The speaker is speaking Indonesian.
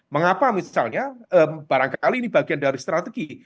mengapa misalnya barangkali ini bagian dari strategi